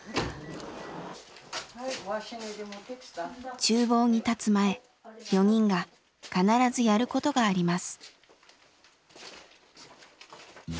ちゅう房に立つ前４人が必ずやることがあります。